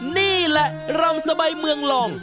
นี่แหละรำสบายเมืองลอง